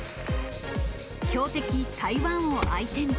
強敵台湾を相手に。